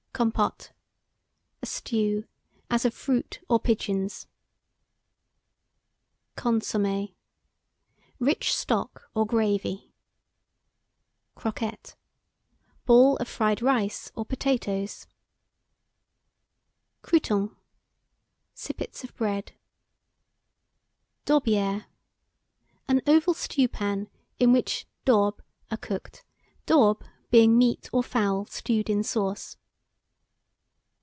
COMPOTE. A stew, as of fruit or pigeons. CONSOMMÉ. Rich stock, or gravy. CROQUETTE. Ball of fried rice or potatoes. CROUTONS. Sippets of bread. DAUBIÈRE. An oval stewpan, in which daubes are cooked; daubes being meat or fowl stewed in sauce.